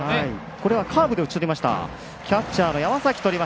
これはカーブで打ち取りました。